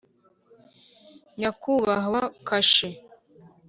(nyakubahwa kashe